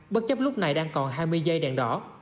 bất chấp lúc này đang còn hai mươi dây đèn đỏ